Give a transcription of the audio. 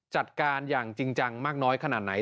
จัดการอย่างจริงจังมากน้อยขนาดไหน